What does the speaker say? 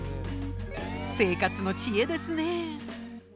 生活の知恵ですね。